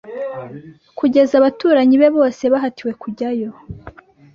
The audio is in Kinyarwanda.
Kugeza abaturanyi be bose bahatiwe kujyayo